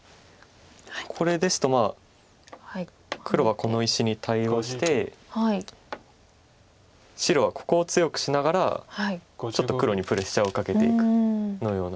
これですと黒はこの石に対応して白はここを強くしながらちょっと黒にプレッシャーをかけていくような。